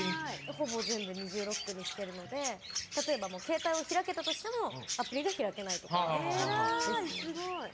ほぼ全部二重ロックにしてるので例えば、携帯を開けたとしてもアプリが開けないとかです。